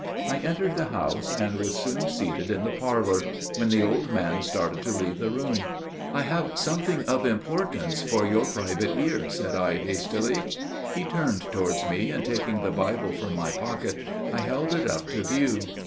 I entered the house, and was soon seated in the parlor, when the old man started to leave the room. "I have something of importance for your private ear," said I, hastily. He turned towards me, and taking the Bible from my pocket, I held it up to view.